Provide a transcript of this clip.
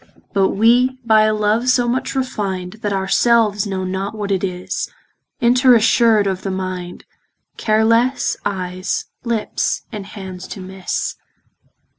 But we by a love, so much refin'd, That our selves know not what it is, Inter assured of the mind, Care lesse, eyes, lips, and hands to misse.